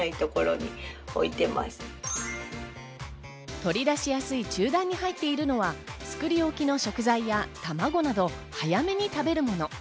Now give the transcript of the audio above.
取り出しやすい中段に入っているのは作り置きの食材や卵など早めに食べるもの。